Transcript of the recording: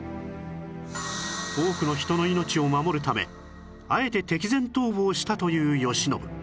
多くの人の命を守るためあえて敵前逃亡したという慶喜